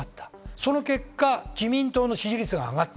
その結果、自民党の支持率が上がった。